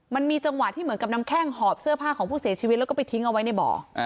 มันมีจังหวะที่เหมือนกับน้ำแข้งหอบเสื้อผ้าของผู้เสียชีวิตแล้วก็ไปทิ้งเอาไว้ในบ่อ